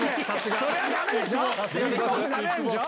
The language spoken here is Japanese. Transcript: それはダメでしょ！